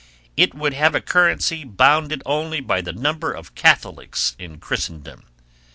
It would have a currency bounded only by the number of Catholics in Christendom.